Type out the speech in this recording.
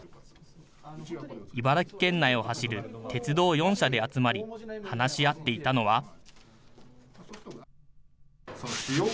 茨城県内を走る鉄道４社で集まり、話し合っていたのは。